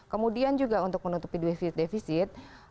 kemudian juga untuk menutupi defisit